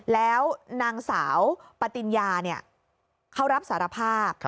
แล้วนางสาวปติญญาเขารับสารภาพ